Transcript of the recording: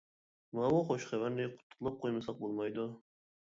ماۋۇ خوش خەۋەرنى قۇتلۇقلاپ قويمىساق بولمايدۇ.